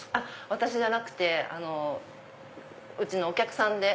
私じゃなくてうちのお客さんで。